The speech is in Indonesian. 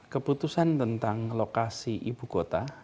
keputusan tentang lokasi ibu kota